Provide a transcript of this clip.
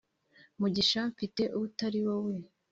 mugisha mfite utari wowe